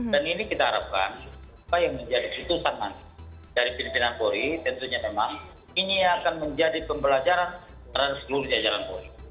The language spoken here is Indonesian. ini kita harapkan apa yang menjadi keputusan nanti dari pimpinan polri tentunya memang ini akan menjadi pembelajaran terhadap seluruh jajaran polri